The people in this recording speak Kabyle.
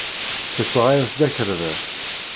Tesɣa-as-d akerbas.